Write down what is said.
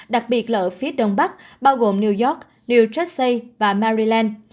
đặc biệt là ở phía đông bắc bao gồm new york new jersey và maryland